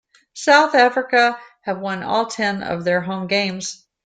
South Africa have won all ten of their home games.